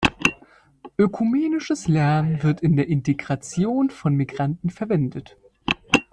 Ökumenisches Lernen wird in der Integration von Migranten verwendet.